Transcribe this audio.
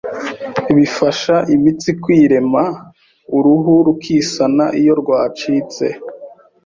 Bifasha imitsi kwirema, uruhu rukisana iyo rwacitse,